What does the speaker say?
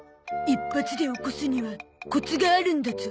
一発で起こすにはコツがあるんだゾ。